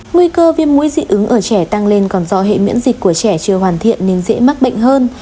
nguy cơ viêm mũi dị ứng ở trẻ tăng lên còn do hệ miễn dịch của trẻ chưa hoàn thiện nên dễ mắc bệnh hơn